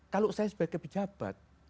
kalau saya sebagai pejabat